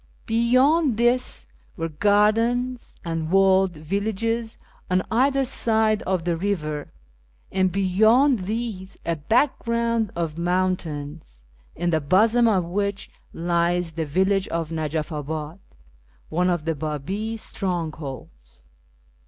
Beyond this were gardens and walled villages on either side of the river, and beyond these a background of mountains, in the bosom of which lies the village of Najaf abad, one of the Babi strong holds.